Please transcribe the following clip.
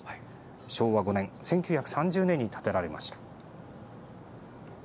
昭和５年１９３０年に建てられました。